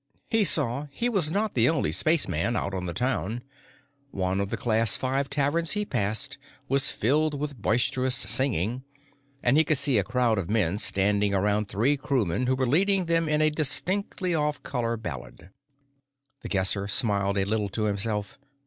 He saw he was not the only spaceman out on the town; one of the Class Five taverns he passed was filled with boisterous singing, and he could see a crowd of men standing around three crewmen who were leading them in a distinctly off color ballad. The Guesser smiled a little to himself.